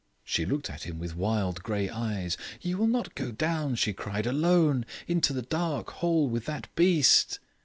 She looked at him with wild grey eyes. "You will not go down," she cried, "alone, into the dark hole, with that beast?"